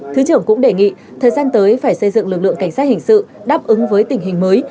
thứ trưởng cũng đề nghị thời gian tới phải xây dựng lực lượng cảnh sát hình sự đáp ứng với tình hình mới